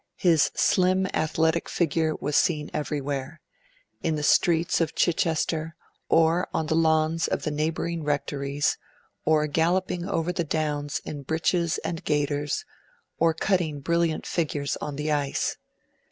His slim, athletic figure was seen everywhere in the streets of Chichester, or on the lawns of the neighbouring rectories, or galloping over the downs in breeches and gaiters, or cutting brilliant figures on the ice.